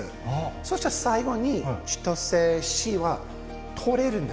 そして最後に千歳市は通れるんです。